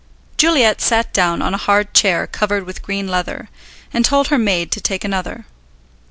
Juliet sat down on a hard chair covered with green leather, and told her maid to take another.